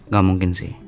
gak mungkin sih